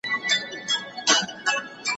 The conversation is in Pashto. په کهاله کي د مارانو شور ماشور سي